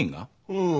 うん。